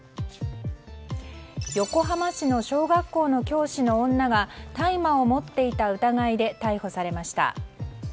横浜市の小学校の教師の女が大麻を持っていた疑いで逮捕されました。